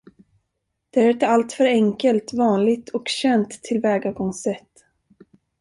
Det är ett alltför enkelt, vanligt och känt tillvägagångssätt.